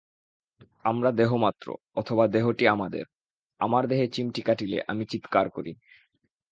আমরা দেহমাত্র, অথবা দেহটি আমাদের, আমার দেহে চিমটি কাটিলে আমি চীৎকার করি।